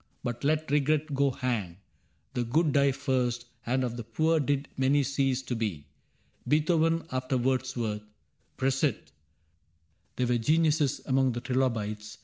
But let regret go hang : the good Die first, and of the poor did many cease To be. Beethoven after Wordsworth. Prosit ! There were geniuses among the trilobites.